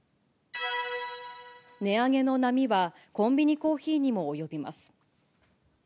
値上げの波は、コンビニコーヒーにも及びます。